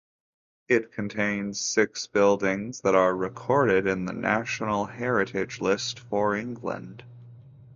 It contains six buildings that are recorded in the National Heritage List for England.